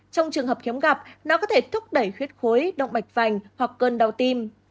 trong trường hợp khiếm gặp nó có thể thúc đẩy khuyết khối động mạch vành hoặc cơn đau tim